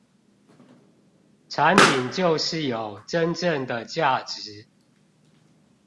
產品就是有真正的價值